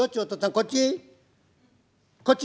こっち？」。